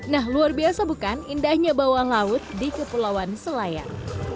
nah luar biasa bukan indahnya bawah laut di kepulauan selayar